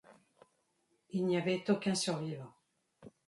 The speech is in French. Il n'y avait aucun survivant.